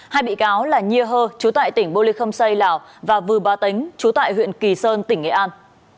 hai bị cáo là nhi hơ chú tại tỉnh bô lê khâm xây lào và vư ba tính chú tại huyện kỳ sơn tỉnh nghệ an